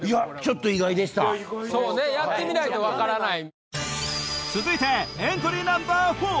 そうねやってみないと分からない。